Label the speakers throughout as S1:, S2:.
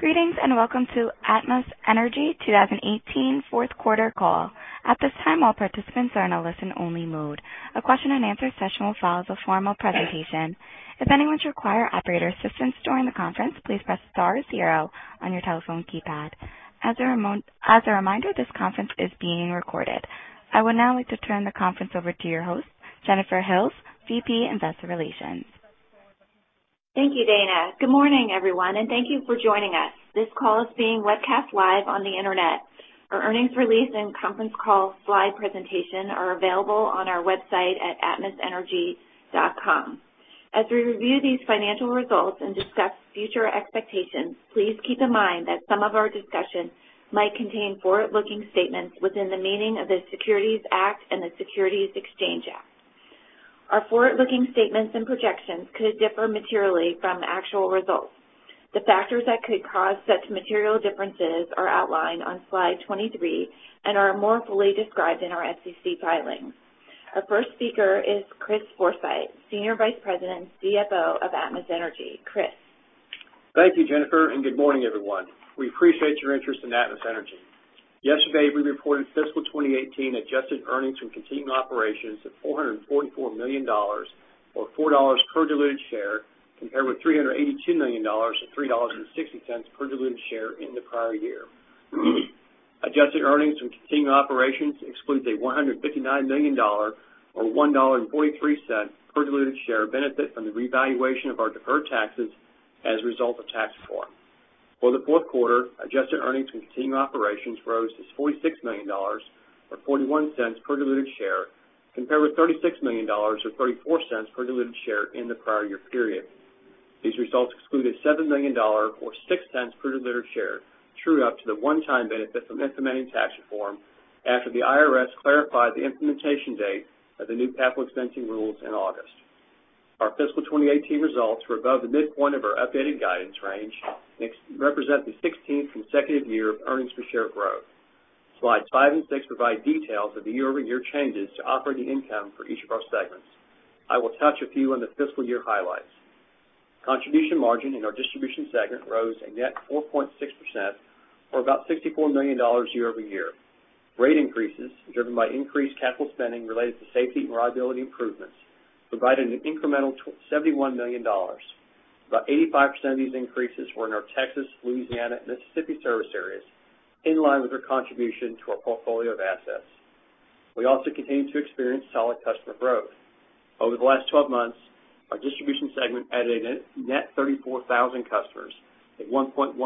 S1: Greetings, welcome to Atmos Energy 2018 fourth quarter call. At this time, all participants are in a listen-only mode. A question and answer session will follow the formal presentation. If anyone requires operator assistance during the conference, please press star zero on your telephone keypad. As a reminder, this conference is being recorded. I would now like to turn the conference over to your host, Jennifer Hills, VP, Investor Relations.
S2: Thank you, Dana. Good morning, everyone, thank you for joining us. This call is being webcast live on the internet. Our earnings release and conference call slide presentation are available on our website at atmosenergy.com. As we review these financial results and discuss future expectations, please keep in mind that some of our discussions might contain forward-looking statements within the meaning of the Securities Act and the Securities Exchange Act. Our forward-looking statements and projections could differ materially from actual results. The factors that could cause such material differences are outlined on slide 23 and are more fully described in our SEC filings. Our first speaker is Chris Forsythe, Senior Vice President, CFO of Atmos Energy. Chris.
S3: Thank you, Jennifer, good morning, everyone. We appreciate your interest in Atmos Energy. Yesterday, we reported fiscal 2018 adjusted earnings from continuing operations of $444 million or $4 per diluted share, compared with $382 million or $3.60 per diluted share in the prior year. Adjusted earnings from continuing operations excludes a $159 million or $1.43 per diluted share benefit from the revaluation of our deferred taxes as a result of tax reform. For the fourth quarter, adjusted earnings from continuing operations rose to $46 million, or $0.41 per diluted share, compared with $36 million or $0.34 per diluted share in the prior year period. These results excluded $7 million or $0.06 per diluted share, true up to the one-time benefit from implementing tax reform after the IRS clarified the implementation date of the new capital expensing rules in August. Our fiscal 2018 results were above the midpoint of our updated guidance range and represent the 16th consecutive year of earnings per share growth. Slides five and six provide details of the year-over-year changes to operating income for each of our segments. I will touch a few on the fiscal year highlights. Contribution margin in our distribution segment rose a net 4.6%, or about $64 million year-over-year. Rate increases, driven by increased capital spending related to safety and reliability improvements, provided an incremental $71 million. About 85% of these increases were in our Texas, Louisiana, Mississippi service areas, in line with their contribution to our portfolio of assets. We also continued to experience solid customer growth. Over the last 12 months, our distribution segment added a net 34,000 customers, a 1.1%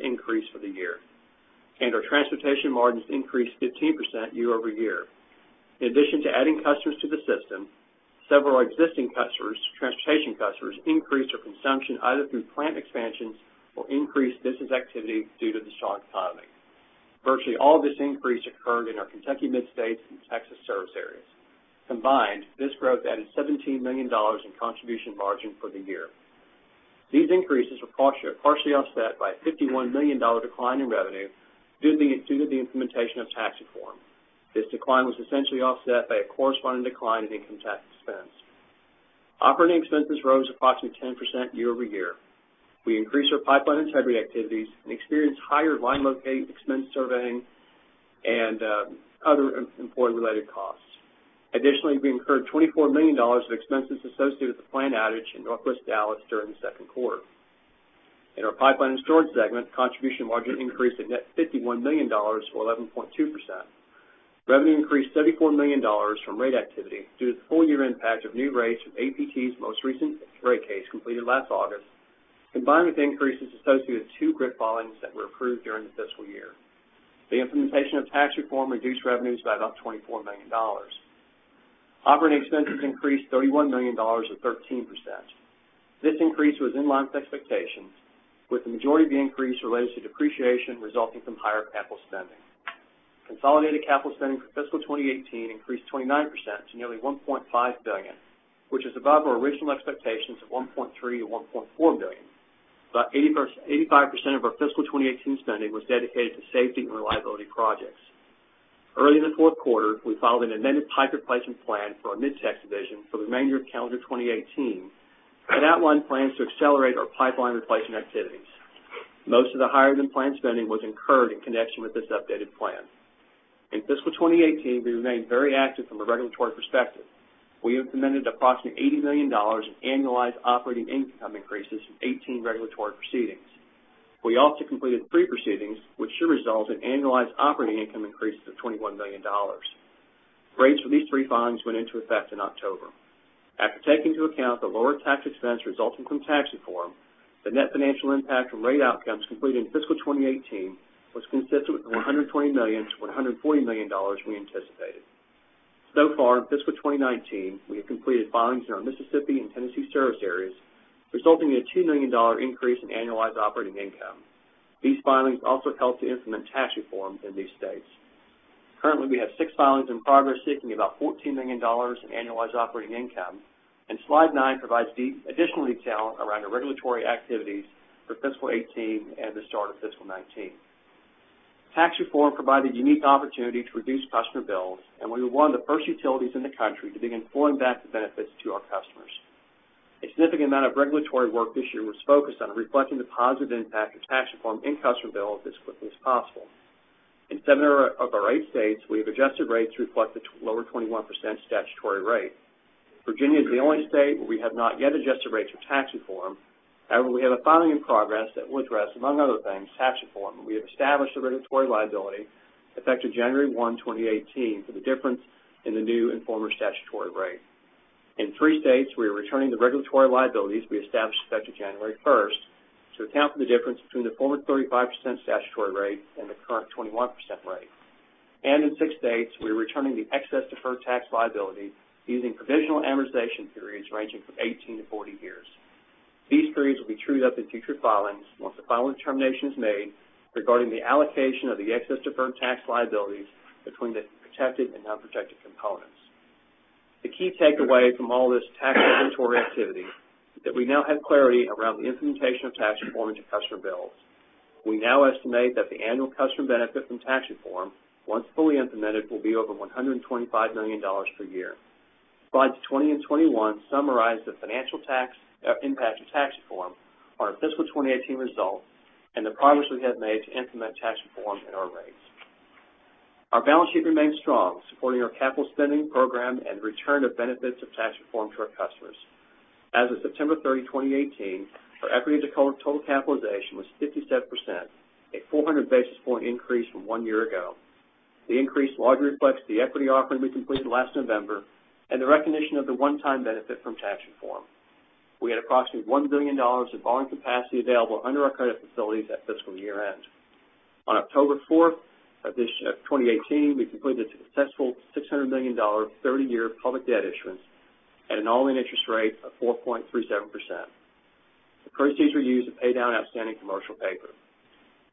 S3: increase for the year. Our transportation margins increased 15% year-over-year. In addition to adding customers to the system, several existing customers, transportation customers, increased their consumption either through plant expansions or increased business activity due to the strong economy. Virtually all this increase occurred in our Kentucky/Mid-States and Texas service areas. Combined, this growth added $17 million in contribution margin for the year. These increases were partially offset by a $51 million decline in revenue due to the implementation of tax reform. This decline was essentially offset by a corresponding decline in income tax expense. Operating expenses rose approximately 10% year-over-year. We increased our pipeline integrity activities and experienced higher line locate expense, surveying and other employee-related costs. Additionally, we incurred $24 million of expenses associated with the planned outage in Northwest Dallas during the second quarter. In our pipeline and storage segment, contribution margin increased a net $51 million or 11.2%. Revenue increased $74 million from rate activity due to the full year impact of new rates from APT's most recent rate case completed last August, combined with increases associated with two GRIP filings that were approved during the fiscal year. The implementation of tax reform reduced revenues by about $24 million. Operating expenses increased $31 million or 13%. This increase was in line with expectations, with the majority of the increase related to depreciation resulting from higher capital spending. Consolidated capital spending for fiscal 2018 increased 29% to nearly $1.5 billion, which is above our original expectations of $1.3 billion-$1.4 billion. About 85% of our fiscal 2018 spending was dedicated to safety and reliability projects. Early in the fourth quarter, we filed an amended pipe replacement plan for our Mid-Tex division for the remainder of calendar 2018 and outlined plans to accelerate our pipeline replacement activities. Most of the higher-than-planned spending was incurred in connection with this updated plan. In fiscal 2018, we remained very active from a regulatory perspective. We implemented approximately $80 million in annualized operating income increases in 18 regulatory proceedings. We also completed three proceedings, which should result in annualized operating income increases of $21 million. Rates for these three filings went into effect in October. After taking into account the lower tax expense resulting from tax reform, the net financial impact from rate outcomes completed in fiscal 2018 was consistent with the $120 million-$140 million we anticipated. So far in fiscal 2019, we have completed filings in our Mississippi and Tennessee service areas, resulting in a $2 million increase in annualized operating income. These filings also helped to implement tax reform in these states. Currently, we have six filings in progress seeking about $14 million in annualized operating income. Slide nine provides additional detail around our regulatory activities for fiscal 2018 and the start of fiscal 2019. Tax reform provided a unique opportunity to reduce customer bills, and we were one of the first utilities in the country to begin flowing back the benefits to our customers. A significant amount of regulatory work this year was focused on reflecting the positive impact of tax reform in customer bills as quickly as possible. In seven of our eight states, we have adjusted rates to reflect the lower 21% statutory rate. Virginia is the only state where we have not yet adjusted rates for tax reform. However, we have a filing in progress that will address, among other things, tax reform, and we have established a regulatory liability effective January 1, 2018, for the difference in the new and former statutory rate. In three states, we are returning the regulatory liabilities we established effective January 1st to account for the difference between the former 35% statutory rate and the current 21% rate. In six states, we are returning the excess deferred tax liability using provisional amortization periods ranging from 18 to 40 years. These periods will be trued up in future filings once the filing determination is made regarding the allocation of the excess deferred tax liabilities between the protected and non-protected components. The key takeaway from all this tax regulatory activity is that we now have clarity around the implementation of tax reform into customer bills. We now estimate that the annual customer benefit from tax reform, once fully implemented, will be over $125 million per year. Slides 20 and 21 summarize the financial impact of tax reform on our fiscal 2018 results and the progress we have made to implement tax reform in our rates. Our balance sheet remains strong, supporting our capital spending program and return of benefits of tax reform to our customers. As of September 30, 2018, our equity to total capitalization was 57%, a 400 basis point increase from one year ago. The increase largely reflects the equity offering we completed last November and the recognition of the one-time benefit from tax reform. We had approximately $1 billion of borrowing capacity available under our credit facilities at fiscal year-end. On October 4th of 2018, we completed a successful $600 million, 30-year public debt issuance at an all-in interest rate of 4.37%. The proceeds were used to pay down outstanding commercial paper.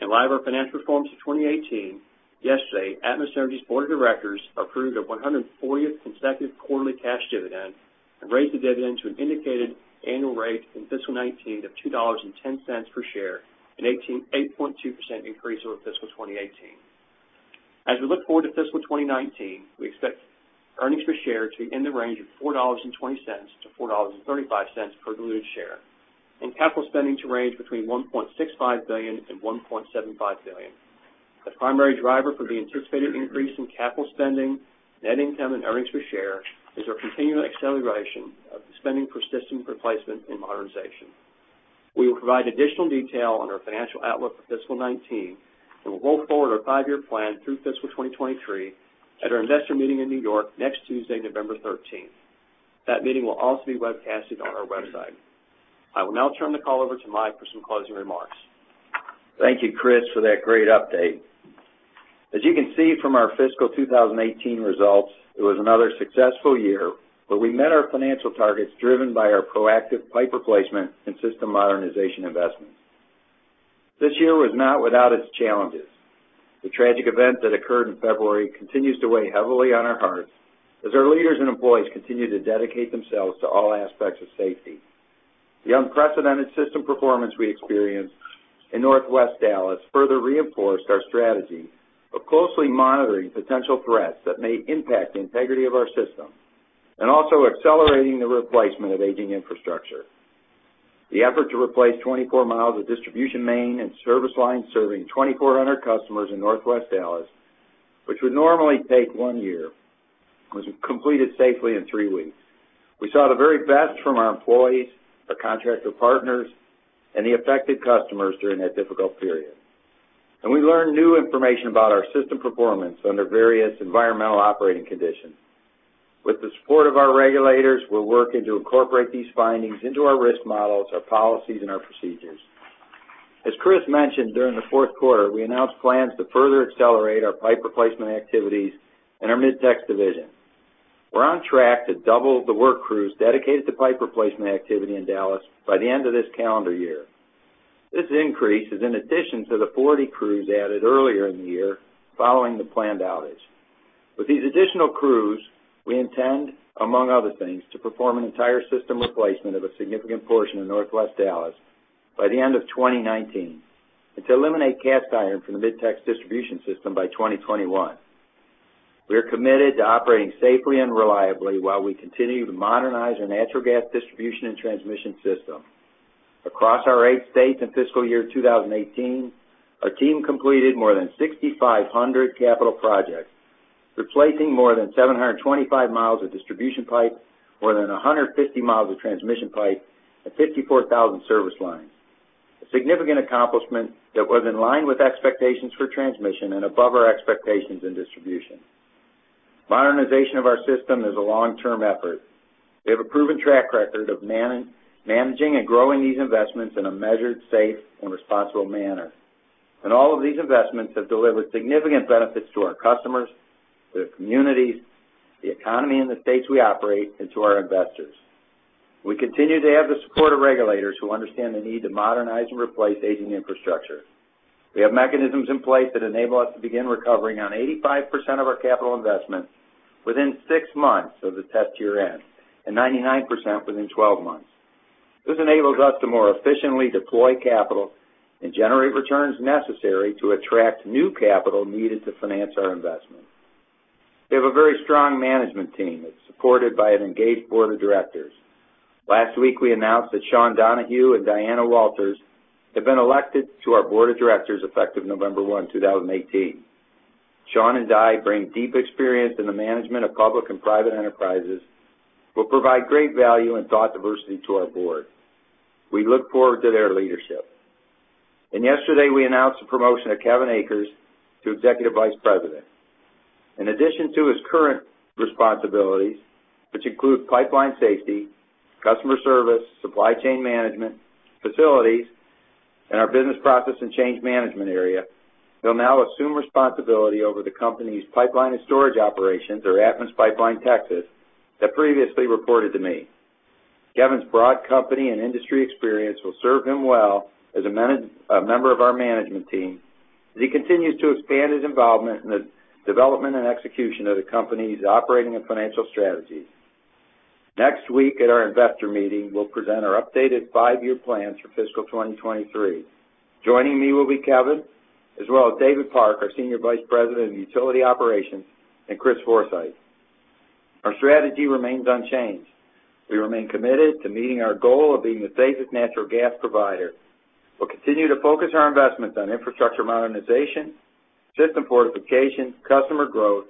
S3: In light of our financial performance in 2018, yesterday, Atmos Energy's board of directors approved our 140th consecutive quarterly cash dividend and raised the dividend to an indicated annual rate in fiscal 2019 of $2.10 per share, an 8.2% increase over fiscal 2018. As we look forward to fiscal 2019, we expect earnings per share to be in the range of $4.20 to $4.35 per diluted share, and capital spending to range between $1.65 billion and $1.75 billion. The primary driver for the anticipated increase in capital spending, net income, and earnings per share is our continued acceleration of spending for system replacement and modernization. We will provide additional detail on our financial outlook for fiscal 2019 and will roll forward our five-year plan through fiscal 2023 at our investor meeting in New York next Tuesday, November 13th. That meeting will also be webcasted on our website. I will now turn the call over to Mike for some closing remarks.
S4: Thank you, Chris, for that great update. As you can see from our fiscal 2018 results, it was another successful year where we met our financial targets driven by our proactive pipe replacement and system modernization investments. This year was not without its challenges. The tragic event that occurred in February continues to weigh heavily on our hearts as our leaders and employees continue to dedicate themselves to all aspects of safety. The unprecedented system performance we experienced in Northwest Dallas further reinforced our strategy of closely monitoring potential threats that may impact the integrity of our system and also accelerating the replacement of aging infrastructure. The effort to replace 24 miles of distribution main and service lines serving 2,400 customers in Northwest Dallas, which would normally take one year, was completed safely in three weeks. We saw the very best from our employees, our contractor partners, and the affected customers during that difficult period. We learned new information about our system performance under various environmental operating conditions. With the support of our regulators, we're working to incorporate these findings into our risk models, our policies, and our procedures. As Chris mentioned, during the fourth quarter, we announced plans to further accelerate our pipe replacement activities in our Mid-Tex division. We're on track to double the work crews dedicated to pipe replacement activity in Dallas by the end of this calendar year. This increase is in addition to the 40 crews added earlier in the year following the planned outage. With these additional crews, we intend, among other things, to perform an entire system replacement of a significant portion of Northwest Dallas by the end of 2019 and to eliminate cast iron from the Mid-Tex distribution system by 2021. We are committed to operating safely and reliably while we continue to modernize our natural gas distribution and transmission system. Across our eight states in fiscal year 2018, our team completed more than 6,500 capital projects, replacing more than 725 miles of distribution pipe, more than 150 miles of transmission pipe, and 54,000 service lines, a significant accomplishment that was in line with expectations for transmission and above our expectations in distribution. Modernization of our system is a long-term effort. We have a proven track record of managing and growing these investments in a measured, safe, and responsible manner. All of these investments have delivered significant benefits to our customers, to the communities, the economy in the states we operate, and to our investors. We continue to have the support of regulators who understand the need to modernize and replace aging infrastructure. We have mechanisms in place that enable us to begin recovering on 85% of our capital investments within six months of the test year-end and 99% within 12 months. This enables us to more efficiently deploy capital and generate returns necessary to attract new capital needed to finance our investment. We have a very strong management team that's supported by an engaged board of directors. Last week, we announced that Sean Donohue and Diana Walters have been elected to our board of directors effective November 1, 2018. Sean and Di bring deep experience in the management of public and private enterprises, will provide great value and thought diversity to our board. We look forward to their leadership. Yesterday, we announced the promotion of Kevin Akers to Executive Vice President. In addition to his current responsibilities, which include pipeline safety, customer service, supply chain management, facilities, and our business process and change management area, he'll now assume responsibility over the company's pipeline and storage operations or Atmos Pipeline-Texas, that previously reported to me. Kevin's broad company and industry experience will serve him well as a member of our management team as he continues to expand his involvement in the development and execution of the company's operating and financial strategies. Next week at our investor meeting, we'll present our updated five-year plans for fiscal 2023. Joining me will be Kevin, as well as David Park, our Senior Vice President of Utility Operations, and Chris Forsythe. Our strategy remains unchanged. We remain committed to meeting our goal of being the safest natural gas provider. We'll continue to focus our investments on infrastructure modernization, system fortification, customer growth,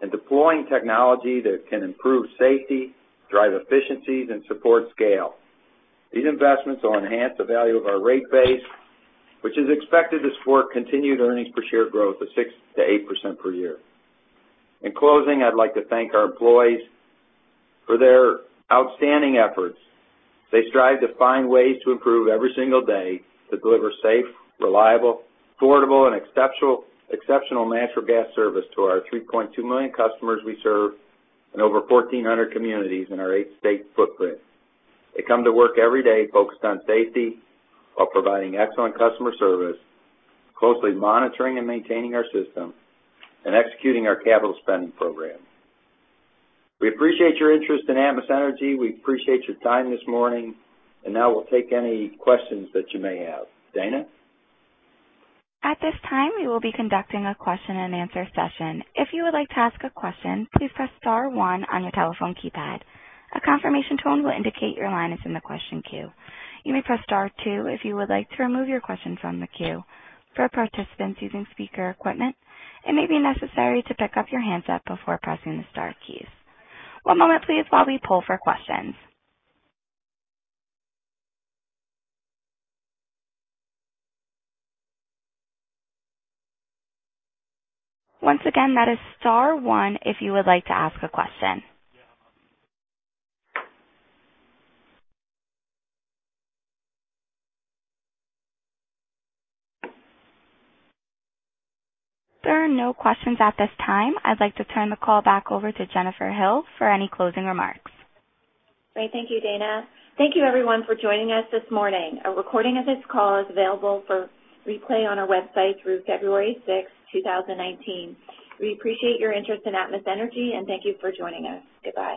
S4: and deploying technology that can improve safety, drive efficiencies, and support scale. These investments will enhance the value of our rate base, which is expected to support continued earnings per share growth of 6%-8% per year. In closing, I'd like to thank our employees for their outstanding efforts. They strive to find ways to improve every single day to deliver safe, reliable, affordable, and exceptional natural gas service to our 3.2 million customers we serve in over 1,400 communities in our eight-state footprint. They come to work every day focused on safety while providing excellent customer service, closely monitoring and maintaining our system, and executing our capital spend program. We appreciate your interest in Atmos Energy. We appreciate your time this morning. Now we'll take any questions that you may have. Dana?
S1: At this time, we will be conducting a question and answer session. If you would like to ask a question, please press star 1 on your telephone keypad. A confirmation tone will indicate your line is in the question queue. You may press star 2 if you would like to remove your question from the queue. For participants using speaker equipment, it may be necessary to pick up your handset before pressing the star keys. One moment please while we poll for questions. Once again, that is star 1 if you would like to ask a question. There are no questions at this time. I'd like to turn the call back over to Jennifer Hills for any closing remarks.
S2: Great. Thank you, Dana. Thank you everyone for joining us this morning. A recording of this call is available for replay on our website through February sixth, two thousand nineteen. We appreciate your interest in Atmos Energy, and thank you for joining us. Goodbye.